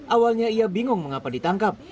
awalnya ia bingung mengapa ditangkap